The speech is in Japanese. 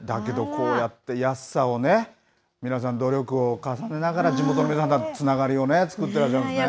だけど、こうやって安さをね、皆さん、努力を重ねながら、地元の皆さんとのつながりを作ってらっしゃいますね。